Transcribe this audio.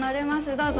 どうぞ。